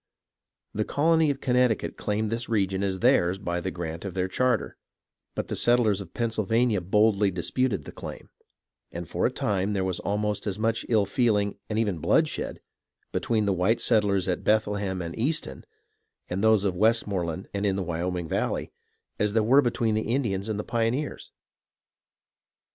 The colony of Connecticut claimed this region as theirs by the grant of their charter ; but the settlers of Pennsylvania boldly disputed the claim, and for a time there was almost as much ill feeling, and even bloodshed, between the white settlers at Bethlehem and Easton and those of Westmore land in the Wyoming Valley, as there was between the Indians and the pioneers.